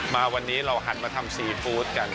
มาวันนี้เราหันมาทำซีฟู้ดกัน